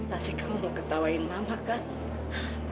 pasti kamu mau ketawain mama kan